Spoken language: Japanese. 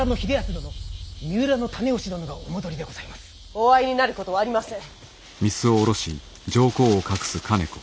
お会いになることはありません。